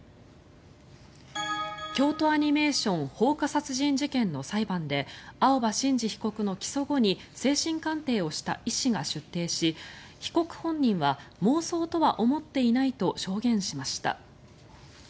京都アニメーション放火殺人事件の裁判で青葉真司被告の起訴後に精神鑑定をした医師が出廷し被告本人は、妄想とは思っていないと証言しました。